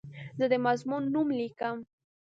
زه د مضمون نوم لیکم.